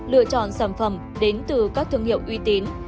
lựa chọn sản phẩm đến từ các thương hiệu uy tín